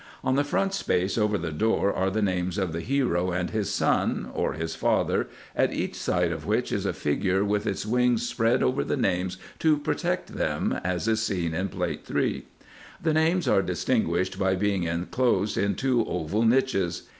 On the front space over the door are the names of the hero and his son, or his father, at each side of which is a figure with its wings spread over the names to protect them, as is seen in Plate 3. The names are distinguished by being inclosed in two oval niches.